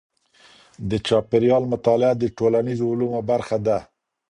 د چاپېریال مطالعه د ټولنیزو علومو برخه ده.